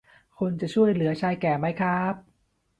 คุณจะช่วยเหลือชายแก่มั้ยครับ